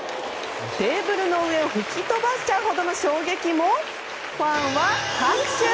テーブルの上を吹き飛ばしちゃうほどの衝撃もファンは拍手！